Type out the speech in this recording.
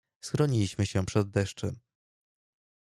Schroniliśmy się przed deszczem.